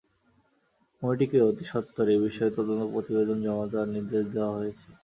কমিটিকে অতিসত্বর এ বিষয়ে তদন্ত প্রতিবেদন জমা দেওয়ার নির্দেশ দেওয়া হয়েছে।